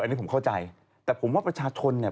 อันนี้ผมเข้าใจแต่ผมว่าประชาชนเนี่ย